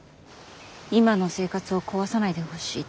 今の生活を壊さないでほしいって。